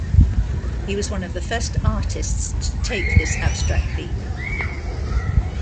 He was one of the first artists to take this abstract leap.